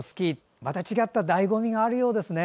また違っただいご味があるようですね。